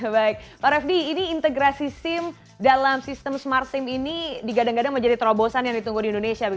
baik pak refdy ini integrasi sim dalam sistem smart sim ini digadang gadang menjadi terobosan yang ditunggu di indonesia